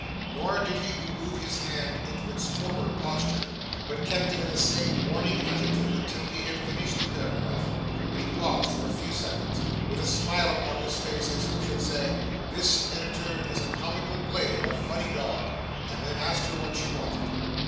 Nor did he remove his hand into its former posture, but kept it in the same warning attitude until he had finished the paragraph, when he paused for a few seconds, with a smile upon his face, as who should say 'this editor is a comical blade a funny dog,' and then asked her what she wanted.